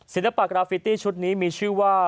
ศิลปะกราฟิตี้ชุดนี้มีชื่อว่า